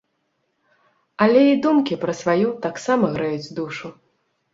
Але і думкі пра сваё таксама грэюць душу.